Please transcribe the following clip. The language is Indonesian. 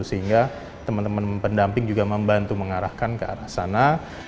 sehingga teman teman pendamping juga membantu mengarahkan ke arah sana